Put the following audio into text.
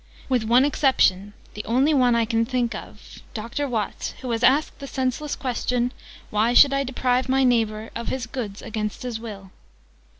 "With one exception the only one I can think of Dr. Watts, who has asked the senseless question, 'Why should I deprive my neighbour Of his goods against his will?'